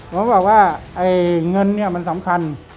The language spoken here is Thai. เขาบอกว่าเงินเนี่ยมันสำคัญ